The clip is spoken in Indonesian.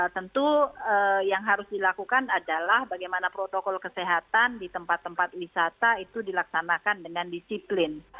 tentu yang harus dilakukan adalah bagaimana protokol kesehatan di tempat tempat wisata itu dilaksanakan dengan disiplin